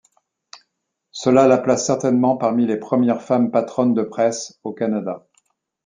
Cela la place certainement parmi les premières femmes patronnes de presse au Canada.